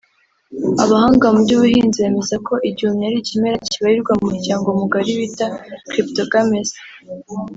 Abahanga mu by’ubuhinzi bemeza ko igihumyo ari ikimera kibarirwa mu muryango mugari bita Cryptogames